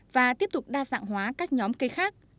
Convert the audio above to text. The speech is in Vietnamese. và tiếp tục đa dạng hóa các nhóm cây khác